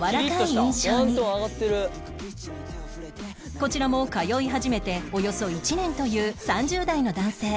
こちらも通い始めておよそ１年という３０代の男性